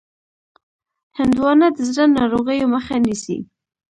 هندوانه د زړه ناروغیو مخه نیسي.